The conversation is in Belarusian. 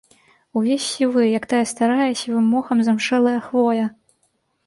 Увесь сівы, як тая старая, сівым мохам замшэлая хвоя.